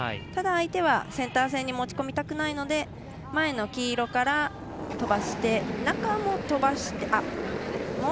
ただ、相手はセンター線に持ち込みたくないので前の黄色から飛ばして、中も。